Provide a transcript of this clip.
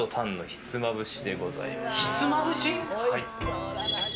ひつまぶし？